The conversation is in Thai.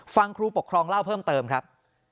ฟังครูปกครองเล่าเพิ่มเติมครับ